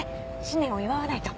新年を祝わないと。